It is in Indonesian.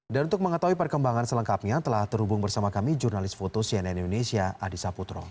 dan untuk mengetahui perkembangan selengkapnya telah terhubung bersama kami jurnalis foto cnn indonesia adi saputro